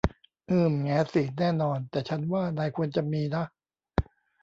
อืม แหงสิ แน่นอน แต่ฉันว่านายควรจะมีนะ